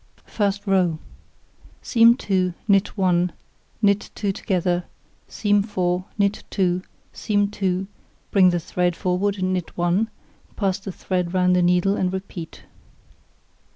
First row: Seam 2, knit 1, knit 2 together, seam 4, knit 2, seam 2, bring the thread forward and knit 1, pass the thread round the needle, and repeat.